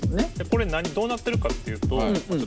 これどうなってるかっていうと。